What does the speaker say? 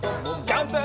ジャンプ！